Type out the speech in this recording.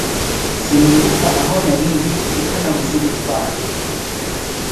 sinibuka aho narindi kuko nabuze ubutwari